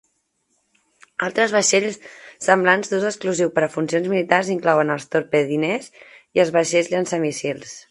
Altres vaixells semblants d'ús exclusiu per a funcions militars inclouen els torpediners i els vaixells llançamíssils.